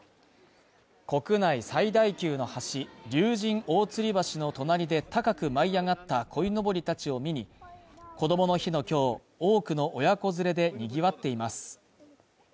国内最大級の橋、竜神大吊橋の隣で高く舞い上がった鯉のぼりたちを見にこどもの日の今日、多くの親子連れで賑わっています。